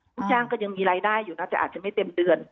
ผู้จ้างก็ยังมีรายได้อยู่นะแต่อาจจะไม่เต็มเดือน